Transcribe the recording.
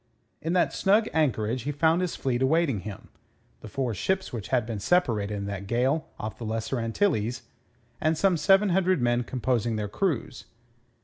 In that snug anchorage he found his fleet awaiting him the four ships which had been separated in that gale off the Lesser Antilles, and some seven hundred men composing their crews.